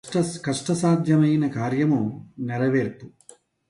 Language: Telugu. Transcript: కష్టసాధ్యమైన కార్యమ్ము నెరవేర్ప